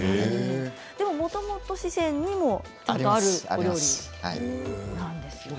もともと四川にもある料理なんですよね。